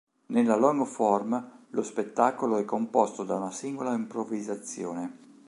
Nella long form lo spettacolo è composto da una singola improvvisazione.